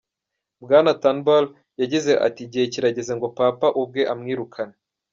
Bwana Turnbull yagize ati: "Igihe kirageze ngo Papa ubwe amwirukane.